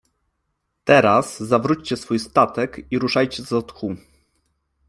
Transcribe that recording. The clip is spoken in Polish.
Teraz zawróćcie swój statek i ruszajcie co tchu.